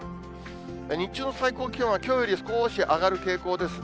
日中の最高気温は、きょうより少し上がる傾向ですね。